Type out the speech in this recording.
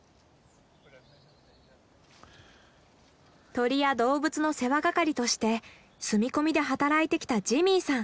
鳥や動物の世話係として住み込みで働いてきたジミーさん。